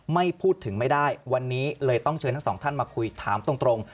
ไม่พูดถึงไม่ได้วันนี้เลยต้องเชิญทั้งสองท่านมาคุยถามตรง